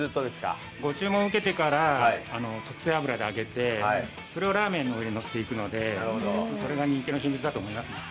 ご注文を受けてから特製油で揚げてそれをラーメンの上にのせていくのでそれが人気の秘密だと思いますね。